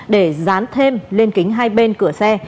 để dán thêm lên kính hai bên cửa xe